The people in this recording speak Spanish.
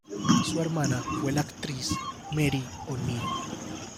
Su hermana fue la actriz Maire O'Neill.